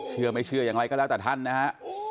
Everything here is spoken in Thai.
เชื่อไม่เชื่ออย่างไรก็แล้วแต่ท่านนะฮะ